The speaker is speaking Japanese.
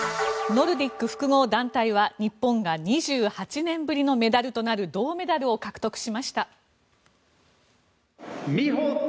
ノルディック複合団体は日本が２８年ぶりのメダルとなる銅メダルを獲得しました。